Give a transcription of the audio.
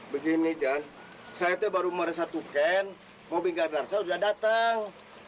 begini kan saya itu baru meres satu can mau bingkai darsa sudah datang